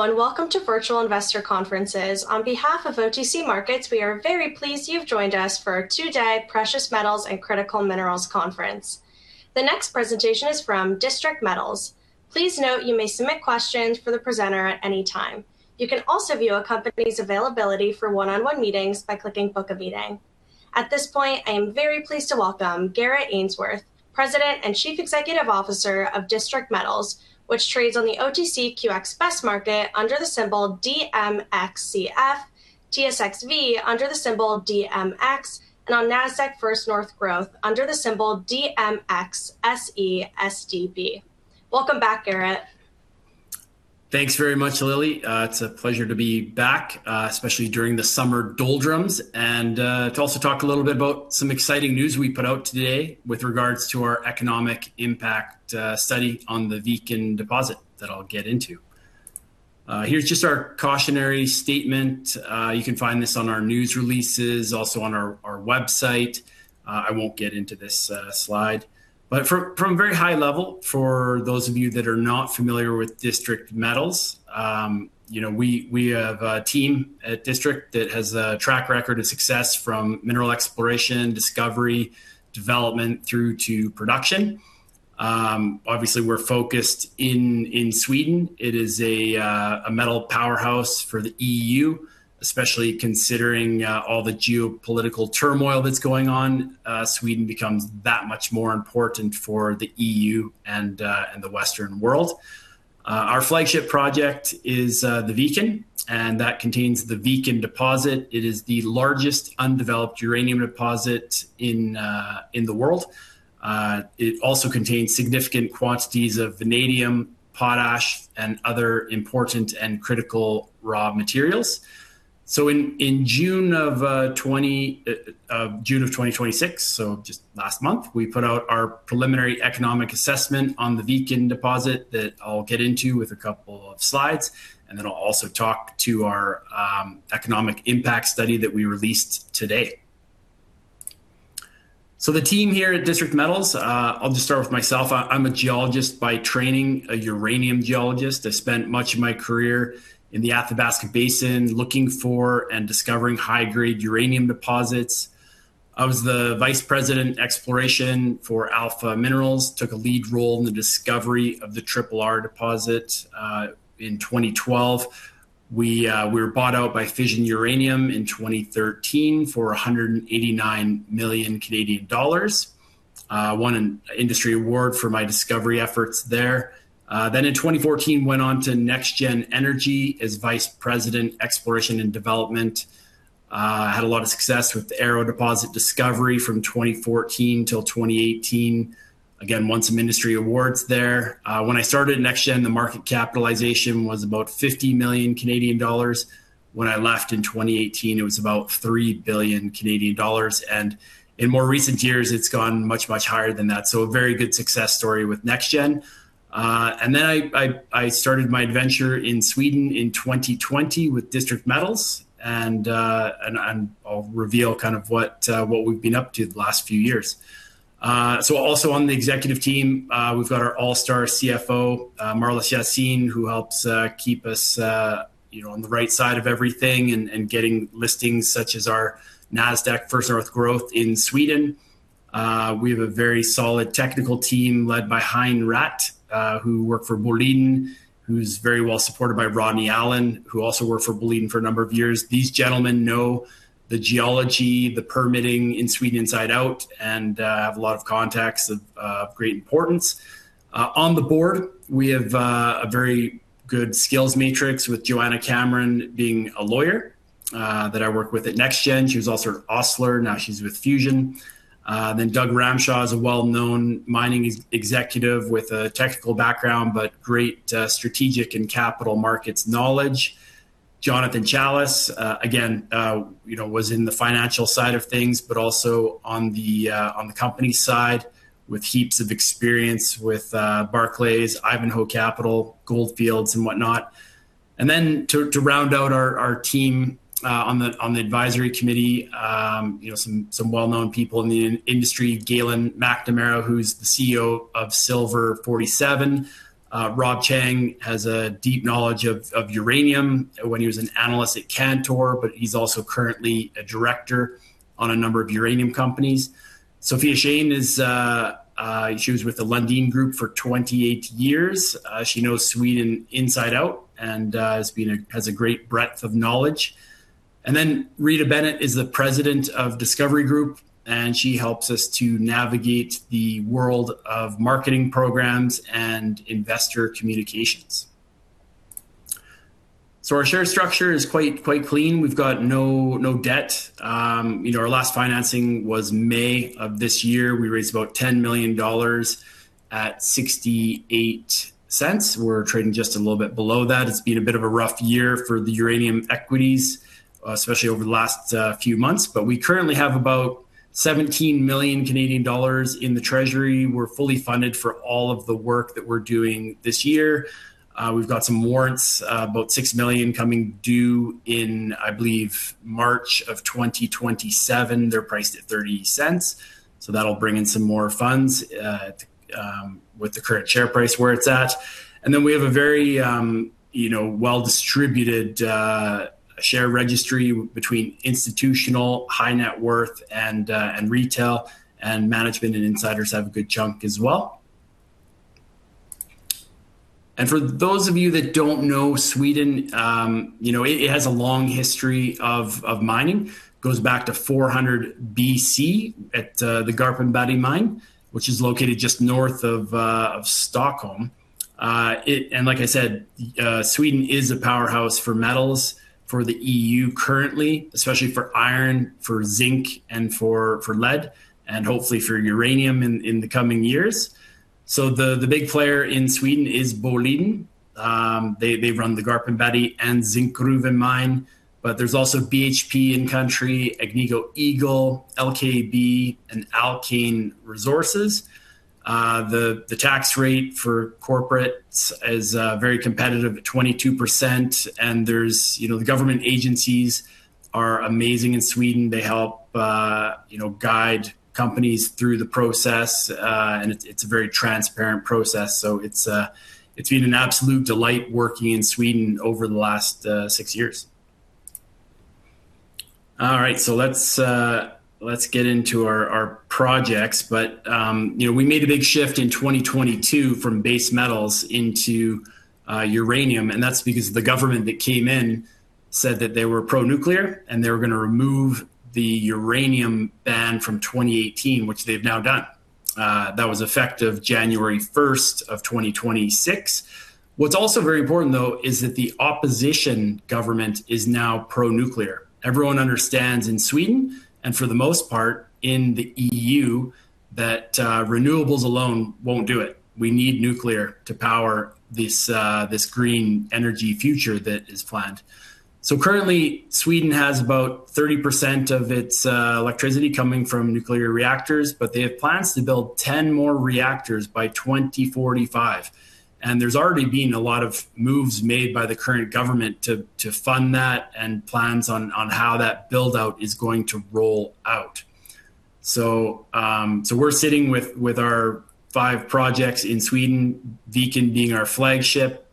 Hello, welcome to Virtual Investor Conferences. On behalf of OTC Markets, we are very pleased you've joined us for our two-day Precious Metals and Critical Minerals Conference. The next presentation is from District Metals. Please note you may submit questions for the presenter at any time. You can also view a company's availability for one-on-one meetings by clicking "Book a Meeting." At this point, I am very pleased to welcome Garrett Ainsworth, President and Chief Executive Officer of District Metals, which trades on the OTCQX Best Market under the symbol DMXCF, TSXV under the symbol DMX, and on Nasdaq First North Growth under the symbol DMXSE SDB. Welcome back, Garrett. Thanks very much, Lily. It's a pleasure to be back, especially during the summer doldrums, and to also talk a little bit about some exciting news we put out today with regards to our economic impact study on the Viken deposit that I'll get into. Here's just our cautionary statement. You can find this on our news releases, also on our website. I won't get into this slide. From very high level, for those of you that are not familiar with District Metals, we have a team at District that has a track record of success from mineral exploration, discovery, development through to production. Obviously, we're focused in Sweden. It is a metal powerhouse for the EU, especially considering all the geopolitical turmoil that's going on. Sweden becomes that much more important for the EU and the Western world. Our flagship project is the Viken, and that contains the Viken deposit. It is the largest undeveloped uranium deposit in the world. It also contains significant quantities of vanadium, potash, and other important and critical raw materials. In June of 2026, so just last month, we put out our preliminary economic assessment on the Viken deposit that I'll get into with a couple of slides, and then I'll also talk to our economic impact study that we released today. The team here at District Metals, I'll just start with myself. I'm a geologist by training, a uranium geologist. I spent much of my career in the Athabasca Basin looking for and discovering high-grade uranium deposits. I was the Vice President of Exploration for Alpha Minerals, took a lead role in the discovery of the Triple R deposit, in 2012. We were bought out by Fission Uranium in 2013 for 189 million Canadian dollars. Won an industry award for my discovery efforts there. In 2014, went on to NexGen Energy as Vice President, Exploration and Development. Had a lot of success with the Arrow deposit discovery from 2014 till 2018. Again, won some industry awards there. When I started NexGen, the market capitalization was about 50 million Canadian dollars. When I left in 2018, it was about 3 billion Canadian dollars. In more recent years, it's gone much, much higher than that. A very good success story with NexGen. Then I started my adventure in Sweden in 2020 with District Metals and I'll reveal what we've been up to the last few years. Also on the executive team, we've got our all-star CFO, Marlis Yassin, who helps keep us on the right side of everything and getting listings such as our Nasdaq First North Growth in Sweden. We have a very solid technical team led by Hein Raat, who worked for Boliden, who's very well supported by Rodney Allen, who also worked for Boliden for a number of years. These gentlemen know the geology, the permitting in Sweden inside out, and have a lot of contacts of great importance. On the board, we have a very good skills matrix with Joanna Cameron being a lawyer that I worked with at NexGen. She was also at Osler, now she's with Fission. Doug Ramshaw is a well-known mining executive with a technical background, but great strategic and capital markets knowledge. Jonathan Challis, again, was in the financial side of things, but also on the company side with heaps of experience with Barclays, Ivanhoe Capital, Gold Fields, and whatnot. To round out our team, on the advisory committee, some well-known people in the industry, Galen McNamara, who's the CEO of Silver47. Rob Chang has a deep knowledge of uranium when he was an analyst at Cantor, but he's also currently a director on a number of uranium companies. Sophia Shane, she was with the Lundin Group for 28 years. She knows Sweden inside out and has a great breadth of knowledge. Rita Bennett is the President of Discovery Group, and she helps us to navigate the world of marketing programs and investor communications. Our share structure is quite clean. We've got no debt. Our last financing was May of this year. We raised about 10 million dollars at 0.68. We're trading just a little bit below that. It's been a bit of a rough year for the uranium equities, especially over the last few months. But we currently have about 17 million Canadian dollars in the treasury. We're fully funded for all of the work that we're doing this year. We've got 6 million warrants coming due in, I believe, March of 2027. They're priced at 0.30, so that'll bring in some more funds with the current share price where it's at. We have a very well-distributed share registry between institutional, high net worth, and retail, and management and insiders have a good chunk as well. For those of you that don't know Sweden, it has a long history of mining. Goes back to 400 BC at the Garpenberg mine, which is located just north of Stockholm. Like I said, Sweden is a powerhouse for metals for the EU currently, especially for iron, for zinc, and for lead, and hopefully for uranium in the coming years. The big player in Sweden is Boliden. They run the Garpenberg and Zinkgruvan mine, but there's also BHP in country, Agnico Eagle, LKAB, and Alkane Resources. The tax rate for corporates is very competitive at 22%, and the government agencies are amazing in Sweden. They help guide companies through the process, and it's a very transparent process. It's been an absolute delight working in Sweden over the last six years. Let's get into our projects. We made a big shift in 2022 from base metals into uranium, and that's because the government that came in said that they were pro-nuclear and they were going to remove the uranium ban from 2018, which they've now done. That was effective January 1st of 2026. What's also very important, though, is that the opposition government is now pro-nuclear. Everyone understands in Sweden, and for the most part in the EU, that renewables alone won't do it. We need nuclear to power this green energy future that is planned. Currently, Sweden has about 30% of its electricity coming from nuclear reactors, but they have plans to build 10 more reactors by 2045, and there's already been a lot of moves made by the current government to fund that and plans on how that build out is going to roll out. We're sitting with our five projects in Sweden, Viken being our flagship,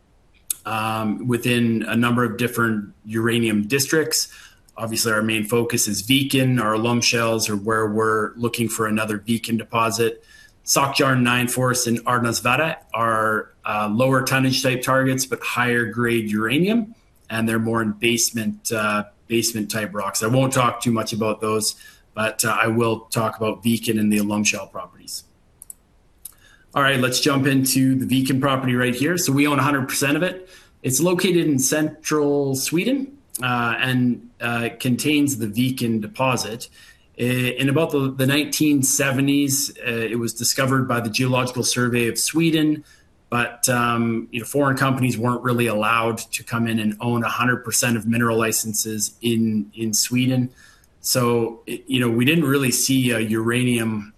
within a number of different uranium districts. Obviously, our main focus is Viken. Our alum shales are where we're looking for another Viken deposit. Sockjärn, Nyfors, and Arnövalla are lower tonnage type targets, but higher grade uranium, and they're more in basement type rocks. I won't talk too much about those, but I will talk about Viken and the alum shale properties. Let's jump into the Viken property right here. We own 100% of it. It's located in central Sweden and contains the Viken deposit. In about the 1970s, it was discovered by the Geological Survey of Sweden, but foreign companies weren't really allowed to come in and own 100% of mineral licenses in Sweden. We didn't really see a uranium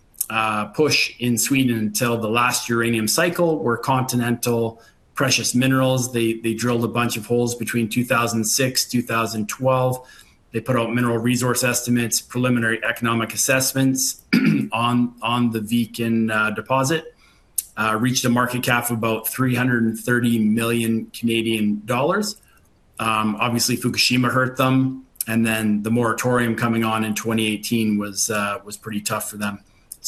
push in Sweden until the last uranium cycle where Continental Precious Minerals, they drilled a bunch of holes between 2006, 2012. They put out mineral resource estimates, preliminary economic assessments on the Viken deposit, reached a market cap of about 330 million Canadian dollars. Obviously, Fukushima hurt them, and then the moratorium coming on in 2018 was pretty tough for them.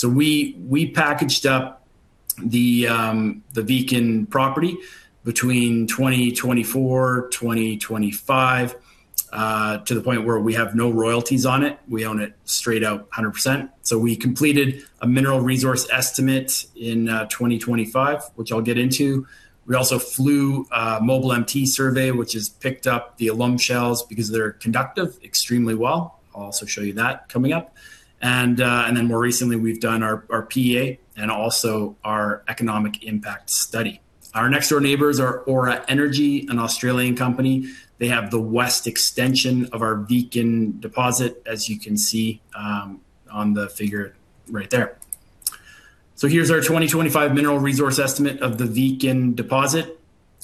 We packaged up the Viken property between 2024, 2025, to the point where we have no royalties on it. We own it straight out, 100%. We completed a mineral resource estimate in 2025, which I'll get into. We also flew a MobileMT survey, which has picked up the alum shales because they're conductive extremely well. I'll also show you that coming up. And then more recently, we've done our PEA and also our economic impact study. Our next door neighbors are Aura Energy, an Australian company. They have the west extension of our Viken deposit, as you can see on the figure right there. So here's our 2025 mineral resource estimate of the Viken deposit.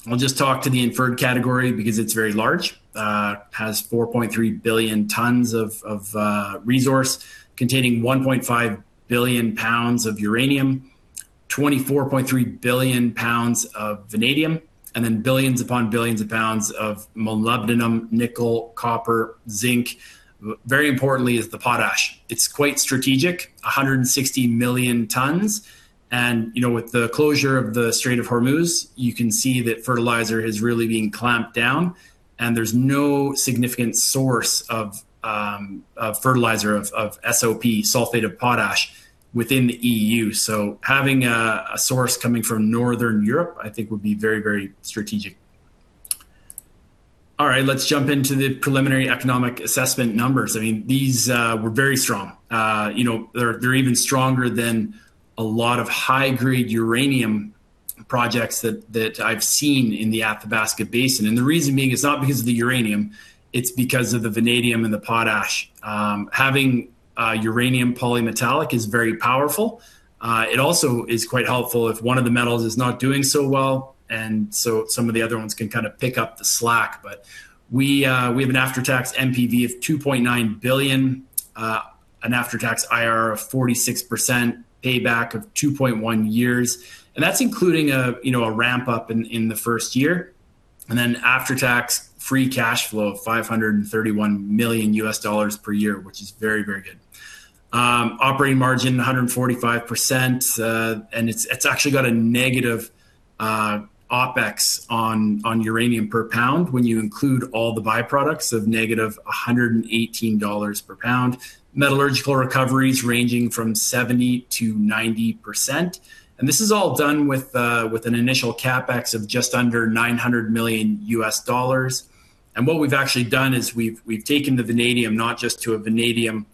I'll just talk to the inferred category because it's very large. Has 4.3 billion tons of resource containing 1.5 billion pounds of uranium, 24.3 billion pounds of vanadium, and then billions upon billions of pounds of molybdenum, nickel, copper, zinc. Very importantly is the potash. It's quite strategic, 160 million tons, and with the closure of the Strait of Hormuz, you can see that fertilizer is really being clamped down, and there's no significant source of fertilizer of SOP, sulfate of potash, within the EU. So having a source coming from Northern Europe, I think would be very strategic. Let's jump into the preliminary economic assessment numbers. These were very strong. They're even stronger than a lot of high-grade uranium projects that I've seen in the Athabasca Basin. The reason being is not because of the uranium, it's because of the vanadium and the potash. Having uranium polymetallic is very powerful. It also is quite helpful if one of the metals is not doing so well, some of the other ones can pick up the slack. We have an after-tax NPV of $2.9 billion. After-tax IRR of 46%, payback of 2.1 years, and that's including a ramp up in the first year. After-tax free cash flow of $531 million per year, which is very good. Operating margin 145%, it's actually got a negative OpEx on uranium per pound when you include all the byproducts of -$118 per pound. Metallurgical recoveries ranging from 70%-90%. This is all done with an initial CapEx of just under $900 million. What we've actually done is we've taken the vanadium, not just to a vanadium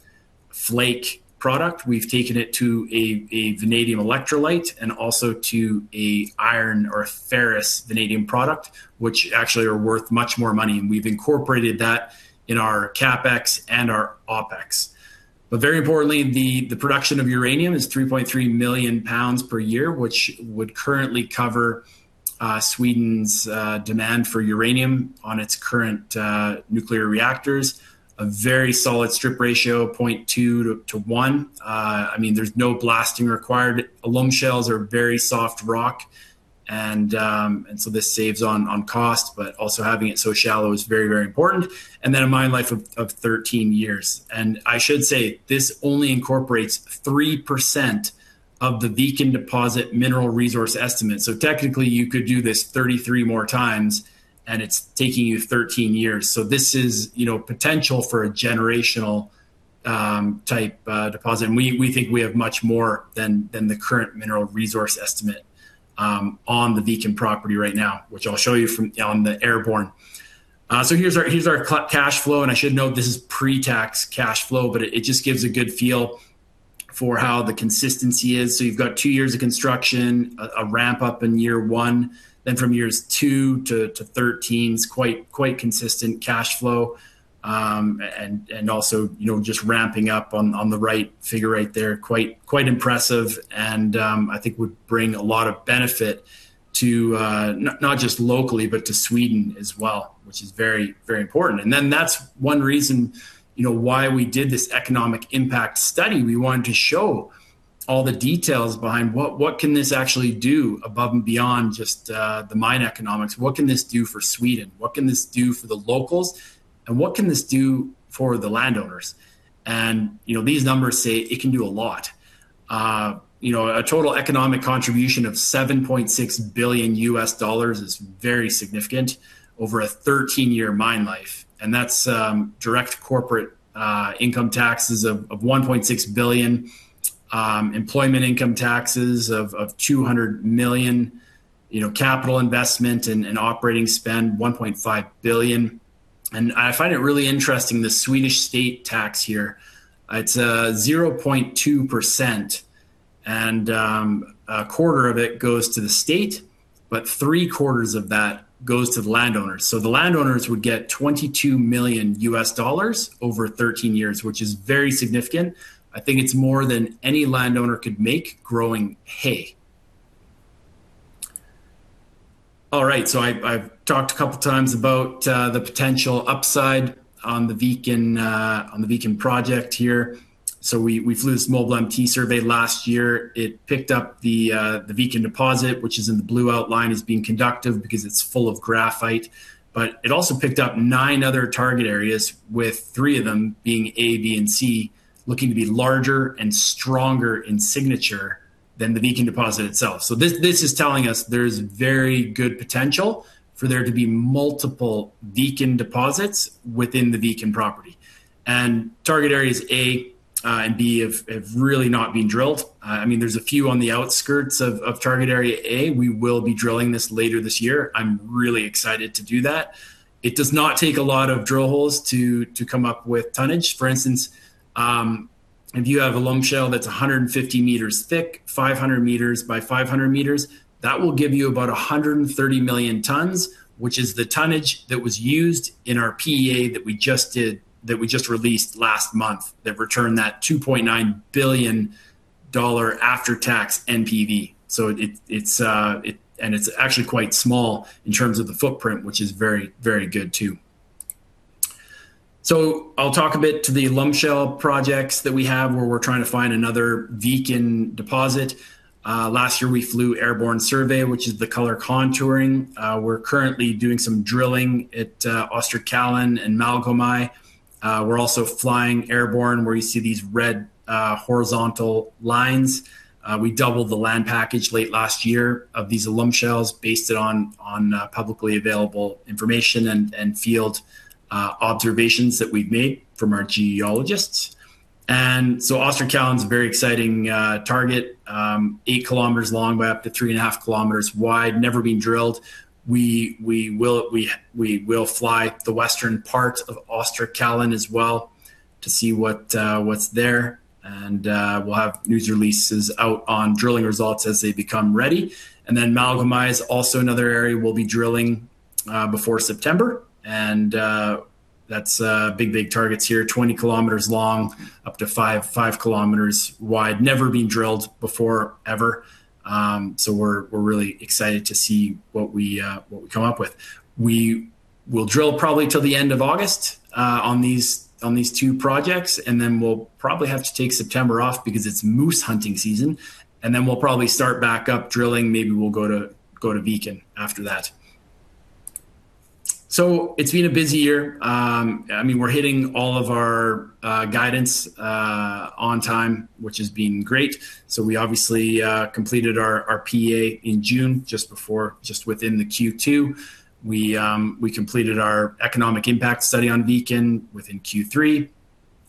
flake product. We've taken it to a vanadium electrolyte and also to an iron or a ferrovanadium product, which actually are worth much more money. We've incorporated that in our CapEx and our OpEx. Very importantly, the production of uranium is 3.3 million pounds per year, which would currently cover Sweden's demand for uranium on its current nuclear reactors. A very solid strip ratio of 0.2:1. There's no blasting required. Alum shales are very soft rock, this saves on cost, but also having it so shallow is very important. A mine life of 13 years. I should say, this only incorporates 3% of the Viken deposit mineral resource estimate. Technically, you could do this 33 more times, it's taking you 13 years. This is potential for a generational-type deposit. We think we have much more than the current mineral resource estimate on the Viken property right now, which I'll show you from on the airborne. Here's our cash flow, I should note this is pre-tax cash flow, but it just gives a good feel for how the consistency is. You've got two years of construction, a ramp-up in year one, then from years two to 13 is quite consistent cash flow. Also, just ramping up on the right figure right there, quite impressive and I think would bring a lot of benefit to not just locally but to Sweden as well, which is very important. That's one reason why we did this economic impact study. We wanted to show all the details behind what can this actually do above and beyond just the mine economics. What can this do for Sweden? What can this do for the locals? What can this do for the landowners? These numbers say it can do a lot. A total economic contribution of $7.6 billion is very significant over a 13-year mine life. That's direct corporate income taxes of $1.6 billion, employment income taxes of $200 million, capital investment and operating spend $1.5 billion. I find it really interesting, the Swedish state tax here, it's 0.2%, a quarter of it goes to the state, but three-quarters of that goes to the landowners. The landowners would get $22 million over 13 years, which is very significant. I think it's more than any landowner could make growing hay. All right. I have talked a couple of times about the potential upside on the Viken project here. We flew this MobileMT survey last year. It picked up the Viken deposit, which is in the blue outline as being conductive because it is full of graphite. It also picked up nine other target areas, with three of them being A, B, and C, looking to be larger and stronger in signature than the Viken deposit itself. This is telling us there is very good potential for there to be multiple Viken deposits within the Viken property. Target areas A and B have really not been drilled. There are a few on the outskirts of target area A. We will be drilling this later this year. I am really excited to do that. It does not take a lot of drill holes to come up with tonnage. If you have an alum shale that is 150 m thick, 500 m by 500 m, that will give you about 130 million tons, which is the tonnage that was used in our PEA that we just released last month that returned that 2.9 billion dollar after-tax NPV. It is actually quite small in terms of the footprint, which is very good too. I will talk a bit to the alum shale projects that we have where we are trying to find another Viken deposit. Last year, we flew airborne survey, which is the color contouring. We are currently doing some drilling at Österkällen and Malmgruvan. We are also flying airborne, where you see these red horizontal lines. We doubled the land package late last year of these alum shales based it on publicly available information and field observations that we have made from our geologists. Österkällen is a very exciting target. 8 km long by up to 3.5 km wide, never been drilled. We will fly the western part of Österkällen as well to see what is there. We will have news releases out on drilling results as they become ready. Malmgruvan is also another area we will be drilling before September. That is big targets here, 20 km long, up to 5 km wide, never been drilled before ever. We are really excited to see what we come up with. We will drill probably till the end of August on these two projects, and then we will probably have to take September off because it is moose hunting season. Then we will probably start back up drilling. Maybe we will go to Viken after that. It has been a busy year. We are hitting all of our guidance on time, which has been great. We obviously completed our PEA in June, just within Q2. We completed our economic impact study on Viken within Q3,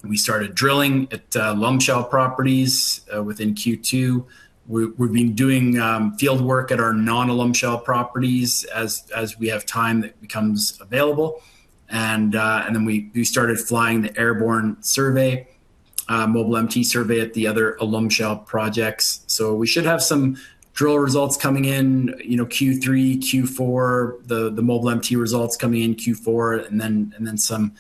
and we started drilling at Alum Shale properties within Q2. We have been doing field work at our non-Alum Shale properties as we have time that becomes available. Then we started flying the airborne survey, MobileMT survey at the other Alum Shale projects. We should have some drill results coming in Q3, Q4, the MobileMT results coming in Q4, and then some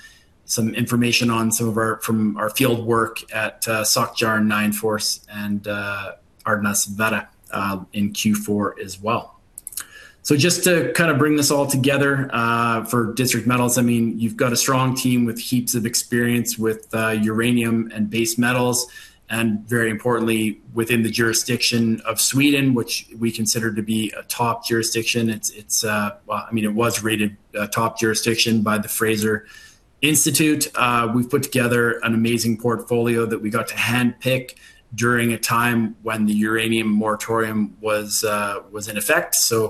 information from our field work at Sockjärn, Nyfors and Arnövalla in Q4 as well. Just to bring this all together for District Metals, you have got a strong team with heaps of experience with uranium and base metals, and very importantly, within the jurisdiction of Sweden, which we consider to be a top jurisdiction. It was rated a top jurisdiction by the Fraser Institute. We've put together an amazing portfolio that we got to handpick during a time when the uranium moratorium was in effect. There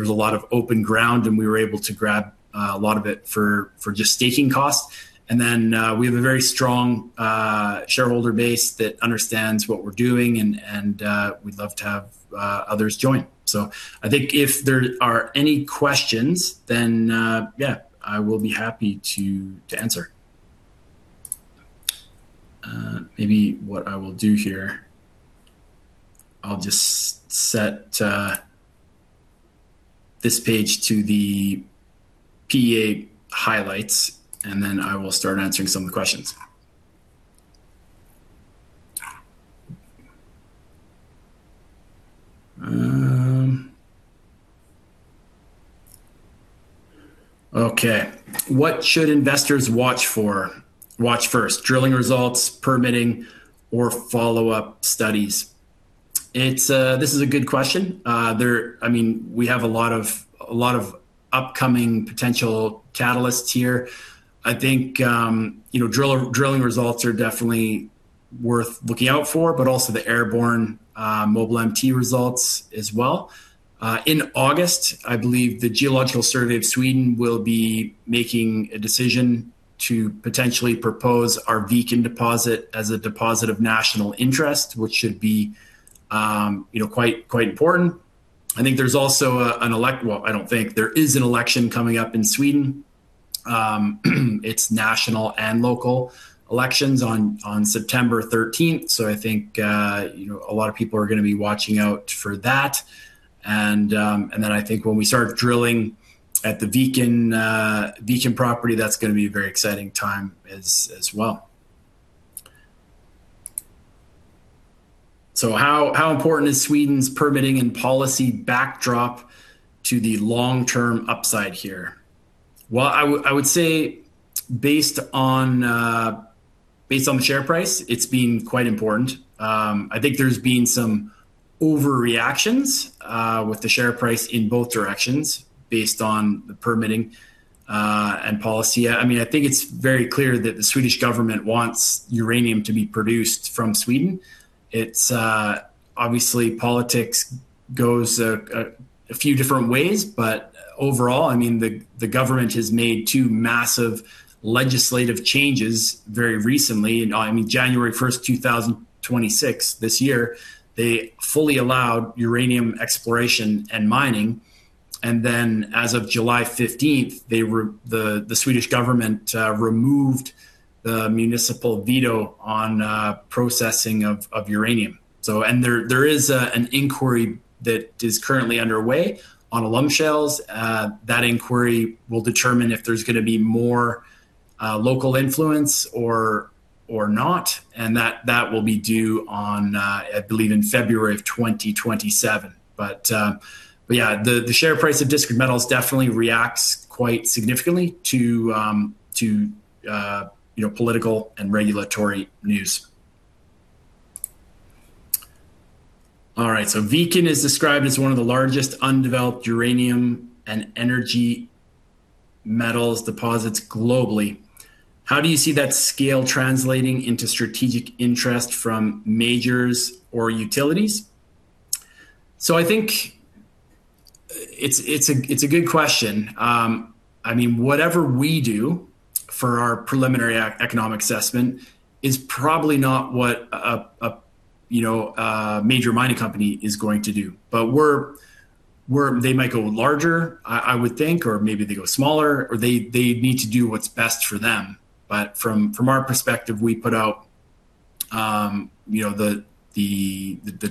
was a lot of open ground, and we were able to grab a lot of it for just staking costs. We have a very strong shareholder base that understands what we're doing, and we'd love to have others join. I think if there are any questions, then, yeah, I will be happy to answer. Maybe what I will do here, I'll just set this page to the PEA highlights, and then I will start answering some of the questions. What should investors watch first? Drilling results, permitting, or follow-up studies? This is a good question. We have a lot of upcoming potential catalysts here. I think drilling results are definitely worth looking out for, but also the airborne MobileMT results as well. In August, I believe the Geological Survey of Sweden will be making a decision to potentially propose our Viken deposit as a deposit of national interest, which should be quite important. There is an election coming up in Sweden. It's national and local elections on September 13th, so I think a lot of people are going to be watching out for that. I think when we start drilling at the Viken property, that's going to be a very exciting time as well. How important is Sweden's permitting and policy backdrop to the long-term upside here? I would say based on the share price, it's been quite important. I think there's been some overreactions with the share price in both directions based on the permitting and policy. I think it's very clear that the Swedish government wants uranium to be produced from Sweden. Obviously politics goes a few different ways. Overall, the government has made two massive legislative changes very recently. January 1st 2026, this year, they fully allowed uranium exploration and mining, and then as of July 15th, the Swedish government removed the municipal veto on processing of uranium. There is an inquiry that is currently underway on alum shales. That inquiry will determine if there's going to be more local influence or not, and that will be due on, I believe, in February of 2027. Yeah, the share price of District Metals definitely reacts quite significantly to political and regulatory news. All right. Viken is described as one of the largest undeveloped uranium and energy metals deposits globally. How do you see that scale translating into strategic interest from majors or utilities? I think it's a good question. Whatever we do for our preliminary economic assessment is probably not what a major mining company is going to do. They might go larger, I would think, or maybe they go smaller, or they need to do what's best for them. From our perspective, we put out The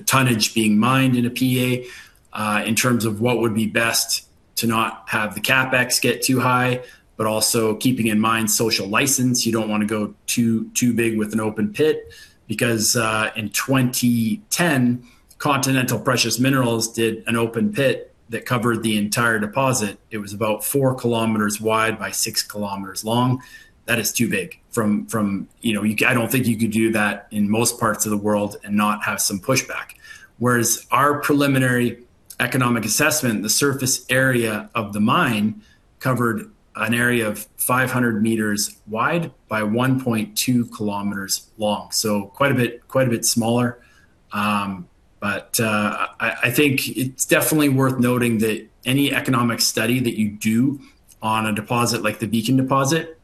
tonnage being mined in a PEA in terms of what would be best to not have the CapEx get too high, but also keeping in mind social license. You don't want to go too big with an open pit, because in 2010, Continental Precious Minerals did an open pit that covered the entire deposit. It was about 4 km wide by 6 km long. That is too big. I don't think you could do that in most parts of the world and not have some pushback. Whereas our preliminary economic assessment, the surface area of the mine covered an area of 500 m wide by 1.2 km long, quite a bit smaller. I think it's definitely worth noting that any economic study that you do on a deposit like the Viken deposit,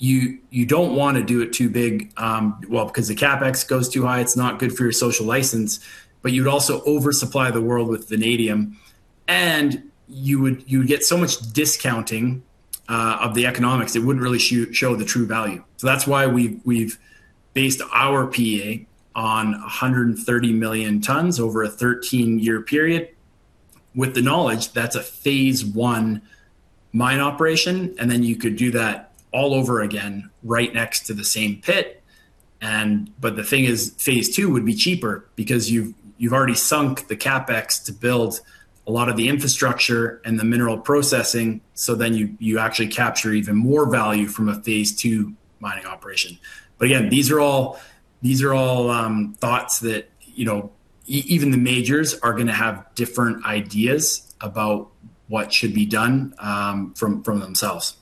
you don't want to do it too big. Because the CapEx goes too high, it's not good for your social license, you would also oversupply the world with vanadium, and you would get so much discounting of the economics. It wouldn't really show the true value. That's why we've based our PEA on 130 million tons over a 13-year period with the knowledge that's a phase I mine operation, you could do that all over again right next to the same pit. The thing is, phase II would be cheaper because you've already sunk the CapEx to build a lot of the infrastructure and the mineral processing, you actually capture even more value from a phase II mining operation. Again, these are all thoughts that even the majors are going to have different ideas about what should be done from themselves.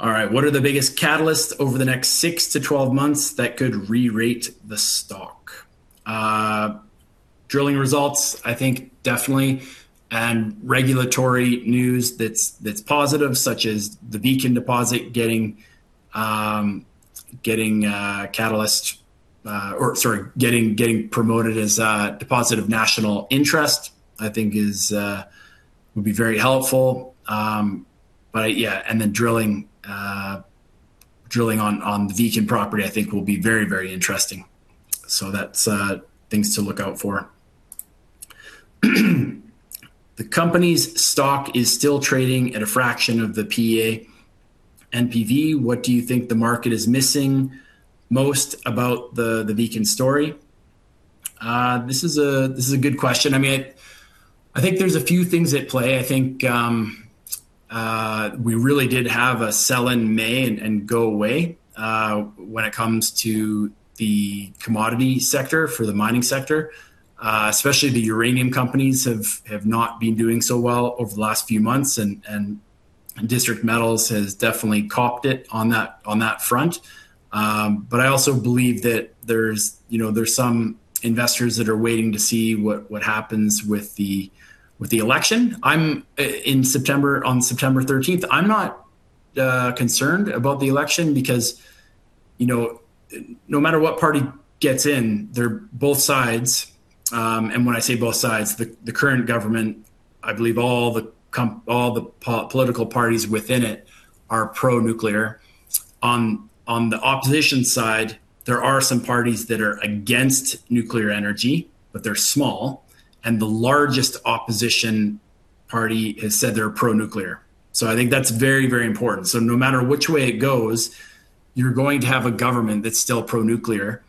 All right. What are the biggest catalysts over the next 6-12 months that could re-rate the stock? Drilling results, I think definitely, and regulatory news that's positive, such as the Viken deposit getting catalyst, or, sorry, getting promoted as a deposit of national interest, I think would be very helpful. Drilling on the Viken property I think will be very interesting. That's things to look out for. The company's stock is still trading at a fraction of the PEA NPV. What do you think the market is missing most about the Viken story? This is a good question. I think there's a few things at play. I think we really did have a sell in May and go away, when it comes to the commodity sector for the mining sector. Especially the uranium companies have not been doing so well over the last few months, and District Metals has definitely copped it on that front. I also believe that there's some investors that are waiting to see what happens with the election on September 13th. I'm not concerned about the election because no matter what party gets in, they're both sides. When I say both sides, the current government, I believe all the political parties within it are pro-nuclear. On the opposition side, there are some parties that are against nuclear energy, they're small, and the largest opposition party has said they're pro-nuclear. I think that's very important. No matter which way it goes, you're going to have a government that's still pro-nuclear.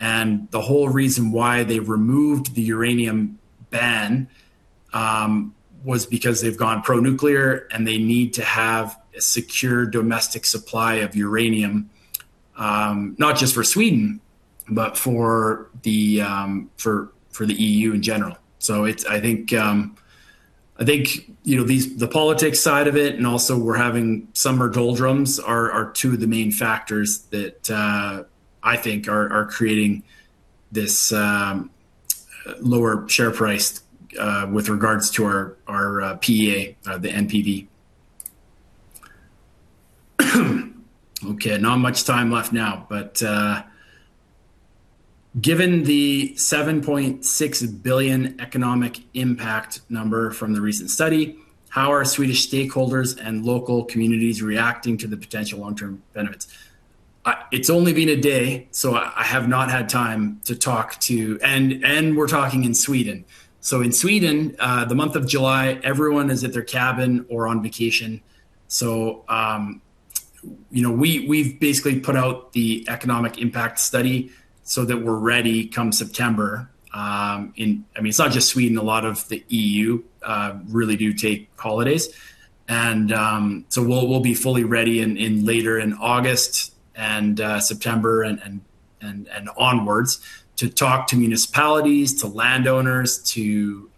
The whole reason why they've removed the uranium ban, was because they've gone pro-nuclear, and they need to have a secure domestic supply of uranium, not just for Sweden, but for the EU in general. I think the politics side of it, and also we're having summer doldrums are two of the main factors that I think are creating this lower share price with regards to our PEA, the NPV. Not much time left now, given the 7.6 billion economic impact number from the recent study, how are Swedish stakeholders and local communities reacting to the potential long-term benefits? It's only been a day, so I have not had time to talk to. We're talking in Sweden. In Sweden, the month of July, everyone is at their cabin or on vacation, so we've basically put out the economic impact study so that we're ready come September. It's not just Sweden, a lot of the EU really do take holidays. We'll be fully ready later in August and September, and onwards to talk to municipalities, to landowners, to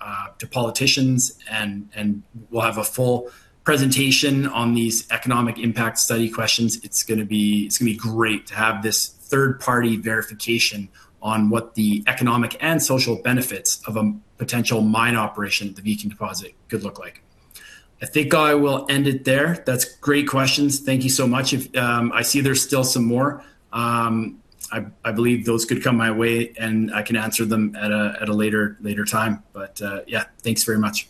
politicians, and we'll have a full presentation on these economic impact study questions. It's going to be great to have this third-party verification on what the economic and social benefits of a potential mine operation at the Viken deposit could look like. I think I will end it there. That's great questions. Thank you so much. I see there's still some more. I believe those could come my way, and I can answer them at a later time. Yeah. Thanks very much.